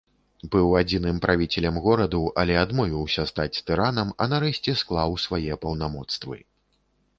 Быў адзіным правіцелем гораду, але адмовіўся стаць тыранам, а нарэшце склаў свае паўнамоцтвы.